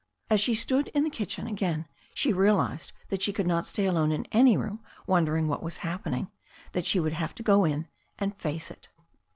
As she stood in the kitchen again she realized that she could not stay alone in any room wondering what was happening, that she would have to go in and face it.